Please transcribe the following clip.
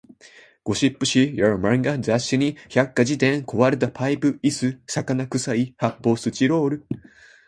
ゴシップ誌、漫画雑誌に百科事典、壊れたパイプ椅子、魚臭い発砲スチロール